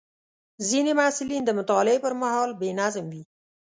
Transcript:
ځینې محصلین د مطالعې پر مهال بې نظم وي.